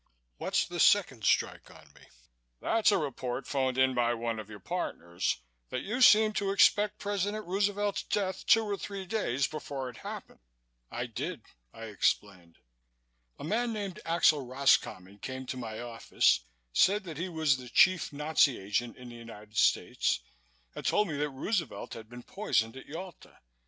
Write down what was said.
"What's the second strike on me?" "That's a report phoned in by one of your partners that you seemed to expect President Roosevelt's death two or three days before it happened." "I did," I explained. "A man named Axel Roscommon came to my office, said that he was the chief Nazi agent in the United States, and told me that Roosevelt had been poisoned at Yalta.